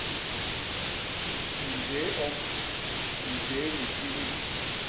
Njéé omb; njéé likidik.